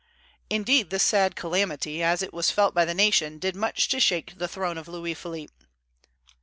Indeed, this sad calamity, as it was felt by the nation, did much to shake the throne of Louis Philippe.